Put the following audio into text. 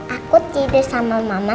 aku tidur sama mama